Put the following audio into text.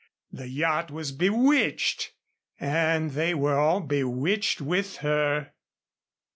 The yacht was bewitched and they were all bewitched with her.